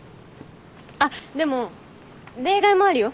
あっでも例外もあるよ。